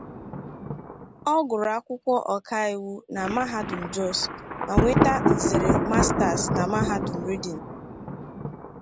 Ọ gụrụ akwụkwọ ọkàiwu na Mahadum Jos, ma nweta nzere mastas na Mahadum Reading.